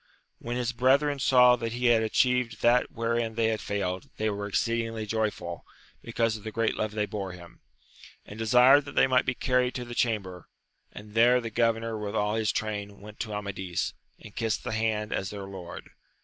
When his brethren saw that he had atchieved that wherein they had failed, they were exceedingly joyftd, because of the great love they bore him, and desired that they might be carried to the chamber ; and there the governor with all his train went to Amadis, and kissed his hand as their lord.